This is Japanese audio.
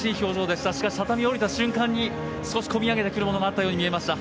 しかし、畳を下りた瞬間に少しこみ上げてくるものがあったように見えました。